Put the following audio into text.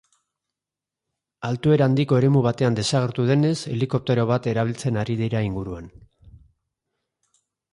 Altuera handiko eremu batean desagertu denez, helikoptero bat erabiltzen ari dira inguruan.